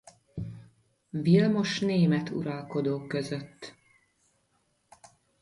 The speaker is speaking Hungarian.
Vilmos német uralkodó között.